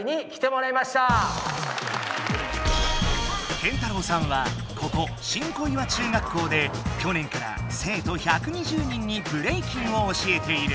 ＫＥＮＴＡＲＡＷさんはここ新小岩中学校できょ年から生と１２０人にブレイキンを教えている。